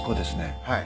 はい。